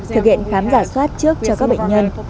thực hiện khám giả soát trước cho các bệnh nhân